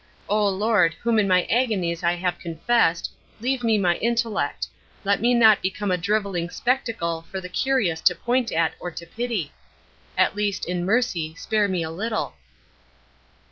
O Lord, whom in my agonies I have confessed, leave me my intellect let me not become a drivelling spectacle for the curious to point at or to pity! At least, in mercy, spare me a little.